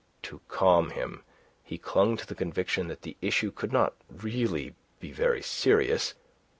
To calm him, he clung to the conviction that the issue could not really be very serious.